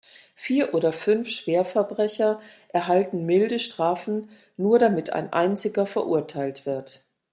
Vier oder fünf Schwerverbrecher erhalten milde Strafen, nur damit ein einziger verurteilt wird.